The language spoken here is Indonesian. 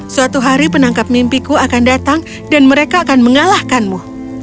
suatu hari penangkap mimpiku akan datang dan mereka akan mengalahkanmu